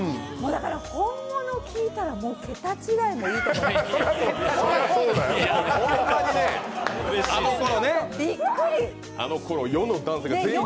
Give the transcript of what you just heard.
だから本物聞いたら桁違いもいいとこですよ。